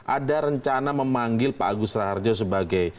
ada rencana memanggil pak agus raharjo sebagai